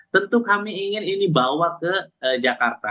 tentu kami ingin ini bawa ke jakarta